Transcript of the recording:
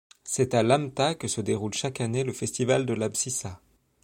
C'est à Lamta que se déroule chaque année le festival de la bsissa.